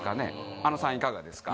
あのさんいかがですか？